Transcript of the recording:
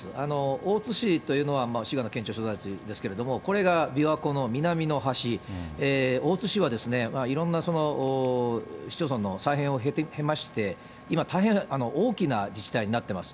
大津市というのは、滋賀の県庁所在地ですけれども、これが琵琶湖の南の端、大津市はいろんなその、市町村の再編を経まして、今、大変、大きな自治体になってます。